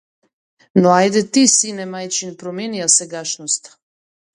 Но ајде ти, сине мајчин, промени ја сегашноста!